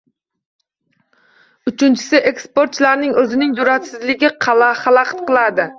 Uchinchisi, eksportchilarning o‘zining jur’atsizligi xalaqit qiladi.